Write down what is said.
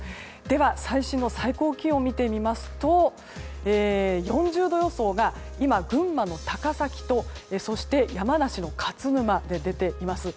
では、最新の最高気温を見てみますと４０度予想が今、群馬の高崎と山梨の勝沼で出ています。